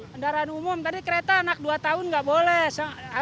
kendaraan umum tadi kereta anak dua tahun nggak boleh harus lima tahun ke atas